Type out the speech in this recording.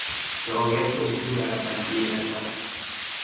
رعایت اصول اولیهی ادب